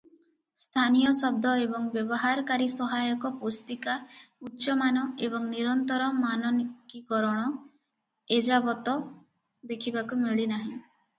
ସ୍ଥାନୀୟ ଶବ୍ଦ ଏବଂ ବ୍ୟବହାରକାରୀ ସହାୟକ ପୁସ୍ତିକା ଉଚ୍ଚ ମାନ ଏବଂ ନିରନ୍ତର ମାନକୀକରଣ ଏଯାବତ ଦେଖିବାକୁ ମିଳିନାହିଁ ।